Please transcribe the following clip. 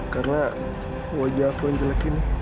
karena wajah aku yang jelek ini